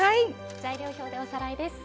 材料表でおさらいです。